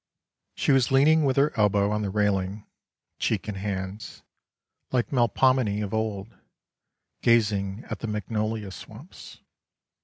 She was leaning with her elbow on the railing, cheek in hands, like Melpomene of old, gazing at the magnolia swamps.